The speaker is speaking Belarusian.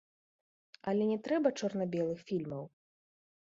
Але не трэба чорна-белых фільмаў!